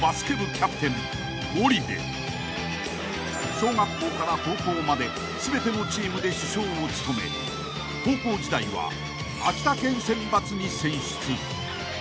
［小学校から高校まで全てのチームで主将を務め高校時代は秋田県選抜に選出］